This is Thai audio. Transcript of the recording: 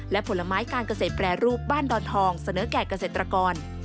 และผลไม้การเกษตรแปรรูปบ้านดอนทองเสนอแก่เกษตรกร